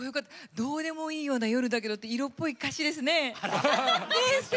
どうでもいいような夜だけどって色っぽい歌詞ですね。